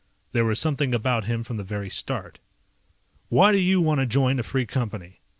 There was something about him from the very start. "Why do you want to join a Free Company?"